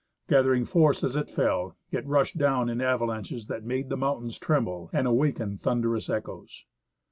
Gathering force as it fell, it rushed down in ava lanches that made the mountains tremble and awakened thun derous echoes.